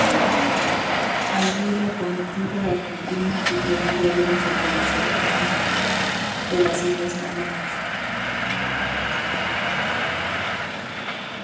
Allí la comitiva argentina pidió un diálogo sobre la soberanía de las islas Malvinas.